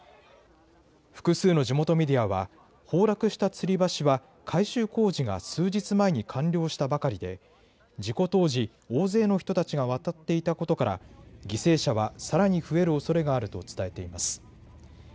複数の地元メディアは崩落したつり橋は改修工事が数日前に完了したばかりで事故当時、大勢の人たちが渡っていたことから犠牲者はさらに増えるおそれがあると伝えています。